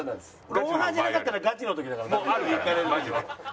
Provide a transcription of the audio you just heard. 『ロンハー』じゃなかったらガチの時だから。